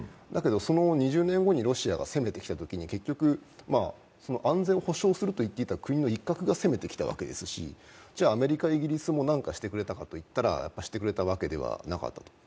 だけど、その２０年後にロシアが攻めてきたときに、結局、安全保障するといっていた国の一角が攻めてきたわけですしじゃあアメリカ・イギリスも何かしてくれたかといったらしてくれたわけではなかった。